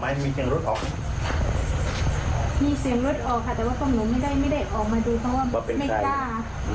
ว่าถ้าไม่ได้ก็ไม่เข้ามาดูเพราะไม่กล้า